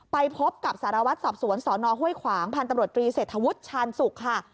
ไปพบกับสารวัตรสอบสวนสนห้วยขวางพันธุ์ตำรวจตรีเศรษฐวุฒิชาญศุกร์ค่ะ